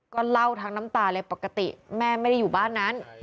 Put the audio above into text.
ก็เล่าทั้งน้ำตาเลยปกติแม่ไม่ได้อยู่บ้านนั้น